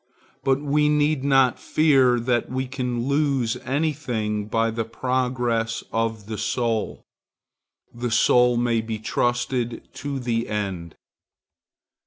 But we need not fear that we can lose any thing by the progress of the soul. The soul may be trusted to the end.